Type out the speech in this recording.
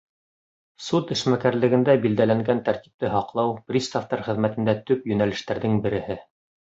Суд эшмәкәрлегендә билдәләнгән тәртипте һаҡлау — приставтар хеҙмәтендә төп йүнәлештәрҙең береһе.